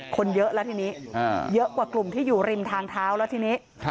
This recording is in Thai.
คนเยอะแล้วทีนี้เยอะกว่ากลุ่มที่อยู่ริมทางเท้าแล้วทีนี้